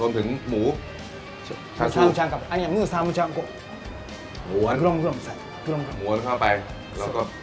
รวมถึงหมูชี้วีทั้งไปเราก็